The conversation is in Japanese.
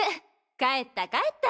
帰った帰った。